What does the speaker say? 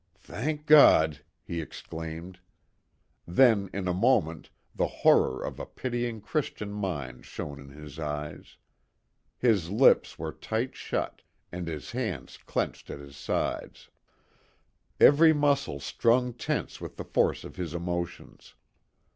"Thank God," he exclaimed. Then, in a moment, the horror of a pitying Christian mind shone in his eyes. His lips were tight shut, and his hands clenched at his sides. Every muscle strung tense with the force of his emotions.